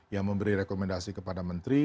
yang memberi rekomendasi kepada menteri